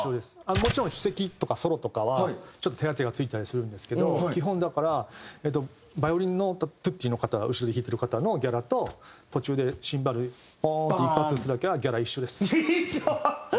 もちろん首席とかソロとかはちょっと手当てが付いたりするんですけど基本だからバイオリンのトゥッティの方後ろで弾いてる方のギャラと途中でシンバルポーンって一発打つだけはギャラ一緒です。